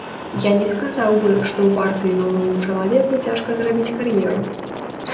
Я не сказаў бы што ў партыі новаму чалавеку цяжка зрабіць кар'еру.